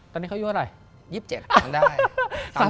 ตอนนี้เขาอยู่เมื่อไหร่